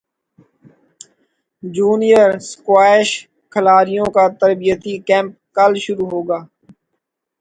junior squash کھلاڑیوں کا تربیتی کیمپ کل شروع ہوگا